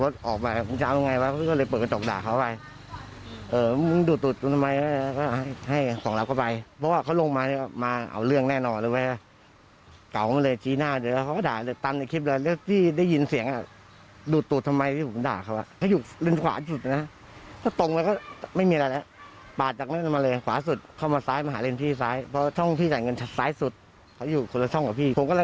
สายสุดเขาอยู่คนละช่องกับพี่